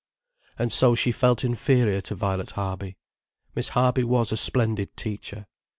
And so she felt inferior to Violet Harby. Miss Harby was a splendid teacher.